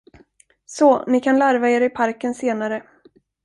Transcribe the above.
Så, ni kan larva er i parken senare.